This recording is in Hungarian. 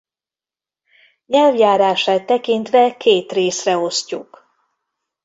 Nyelvjárását tekintve két részre osztjuk.